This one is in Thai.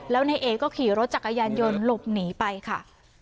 แล้วนายเอก็ขี่รถจักรยานยนต์หลบหนีไปค่ะ